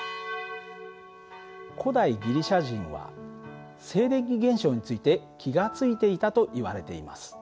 古代ギリシャ人は静電気現象について気が付いていたといわれています。